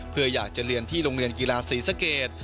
เพื่ออยากจะเรียนที่โรงเรียนกีฬาศรีสะเกด